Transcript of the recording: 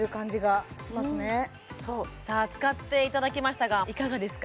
使っていただきましたがいかがですか？